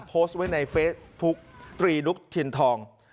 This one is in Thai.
โพสต์ไว้ในเฟสบุ๊คตรีนุษย์ถิ่นทอง